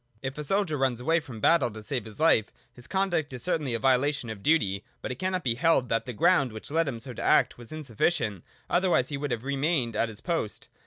If a soldier runs away from battle to save his life, his conduct is certainly a violation of duty : but it cannot be held that the ground which led him so to act was insuffi cient, otherwise he would have remained at his post.